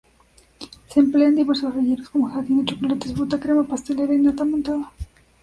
Se emplean diversos rellenos, como gelatina, chocolate, fruta, crema pastelera y nata montada.